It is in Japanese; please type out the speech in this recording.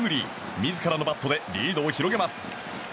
自らのバットでリードを広げます。